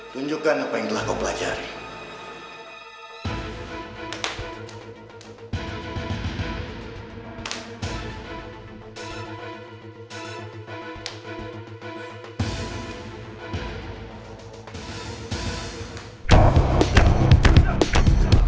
tunjukkan apa yang telah kau pelajari